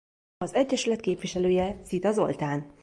Az egyesület képviselője Szita Zoltán.